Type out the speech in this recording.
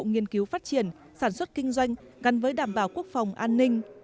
nghiên cứu phát triển sản xuất kinh doanh gắn với đảm bảo quốc phòng an ninh